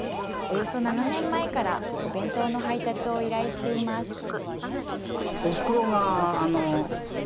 およそ７年前からお弁当の配達を依頼しています。